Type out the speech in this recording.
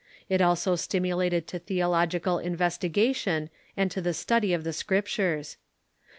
It also stimulated to theological in vestigation and to the study of the Scriptures.